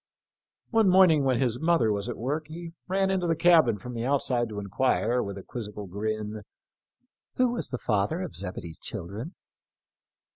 One morning when his mother was at work he ran into the cabin from the outside to enquire, with a quizzical grin, " Who was the father of Zebedee's children